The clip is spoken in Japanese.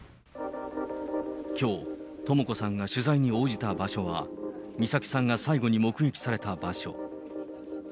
きょう、とも子さんが取材に応じた場所は、美咲さんが最後に目撃された場所。